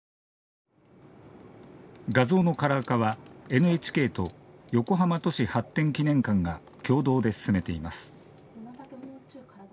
画像のカラー化はＮＨＫと横浜都市発展記念館が共同で進めています。